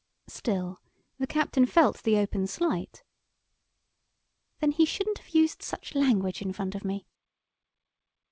"Still, the captain felt the open slight." "Then he shouldn't have used such language in front of me."